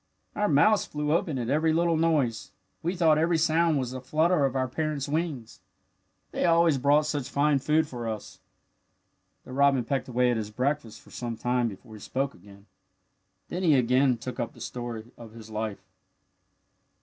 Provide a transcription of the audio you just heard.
Our mouths flew open at every little noise. We thought every sound was the flutter of our parents' wings. They always brought such fine food for us." The robin pecked away at his breakfast for some time before he spoke again. Then he again took up the story of his life.